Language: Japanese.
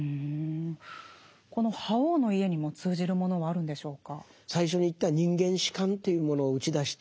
この「覇王の家」にも通じるものがあるんでしょうか？